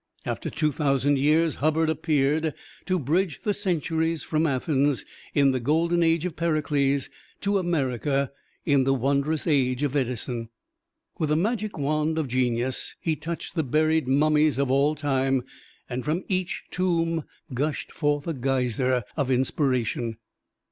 After two thousand years Hubbard appeared, to bridge the centuries from Athens, in the golden age of Pericles, to America, in the wondrous age of Edison. With the magic wand of genius he touched the buried mummies of all time, and from each tomb gushed forth a geyser of inspiration.